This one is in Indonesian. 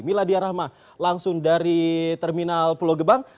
mila diyarahma langsung dari terminal pulau gebang